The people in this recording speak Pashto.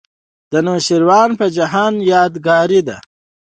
د نوشیروان په جهان یادګار دی.